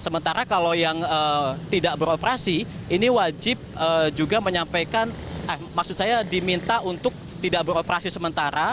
sementara kalau yang tidak beroperasi ini wajib juga menyampaikan maksud saya diminta untuk tidak beroperasi sementara